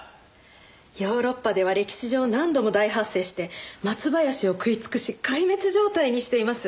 ヨーロッパでは歴史上何度も大発生して松林を食い尽くし壊滅状態にしています。